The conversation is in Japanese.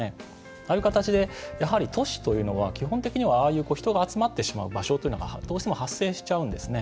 ああいう形でやはり都市というのは基本的にはああいう、人が集まってしまう場所というのがどうしても発生しちゃうんですね。